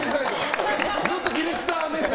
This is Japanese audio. ずっとディレクター目線。